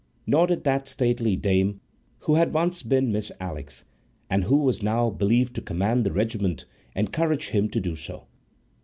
Nor did that stately dame, who had once been Miss Alix and who was now believed to command the regiment, encourage him to do so.